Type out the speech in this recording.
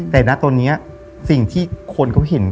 แต่นะตอนนี้สิ่งที่คนเขาเห็น